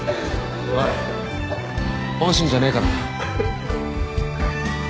おい本心じゃねえから。